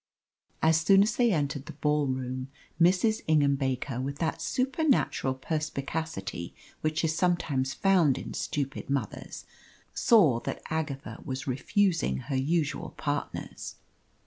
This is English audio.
As soon as they entered the ball room, Mrs. Ingham Baker, with that supernatural perspicacity which is sometimes found in stupid mothers, saw that Agatha was refusing her usual partners.